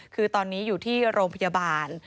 คือตอนนี้อยู่ที่โรงพยาบาล